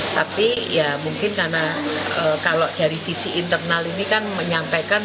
tapi ya mungkin karena kalau dari sisi internal ini kan menyampaikan